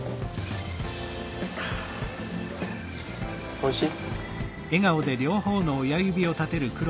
おいしい？